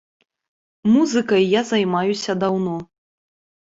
Музыкай я займаюся даўно.